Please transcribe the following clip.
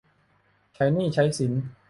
ใช้หนี้ใช้สิน